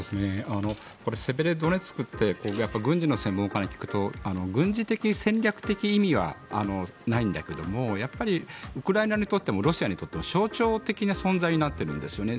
セベロドネツクって軍事の専門家に聞くと軍事的、戦略的意味はないんだけれどもやっぱりウクライナにとってもロシアにとっても象徴的な存在になっているんですよね。